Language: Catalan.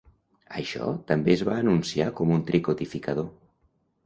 Això també es va anunciar com un "tricodificador".